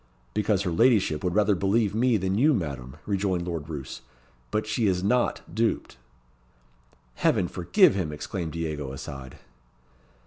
"Because her ladyship would rather believe me than you, Madam," rejoined Lord Roos. "But she is not duped." "Heaven forgive him!" exclaimed Diego, aside.